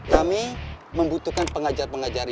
kami membutuhkan pengajar pengajar